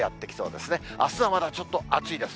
あすはまだちょっと暑いです。